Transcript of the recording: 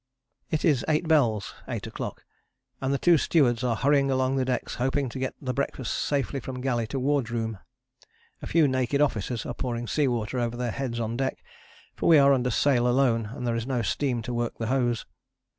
It is eight bells (8 o'clock) and the two stewards are hurrying along the decks, hoping to get the breakfast safely from galley to wardroom. A few naked officers are pouring sea water over their heads on deck, for we are under sail alone and there is no steam to work the hose.